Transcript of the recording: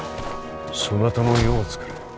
そなたの世をつくれ。